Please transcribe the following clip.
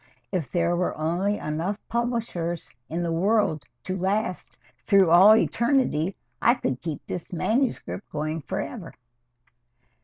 If there were only enough publishers in the world to last through all eternity, I could keep this manuscript going forever."